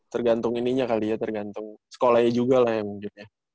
tergantung ininya kali ya tergantung sekolahnya juga lah yang mungkin ya